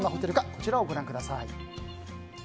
こちらをご覧ください。